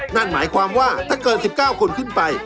นั่นหมายความว่าถ้าเกิด๑๙คนขึ้นไป